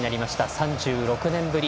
３６年ぶり。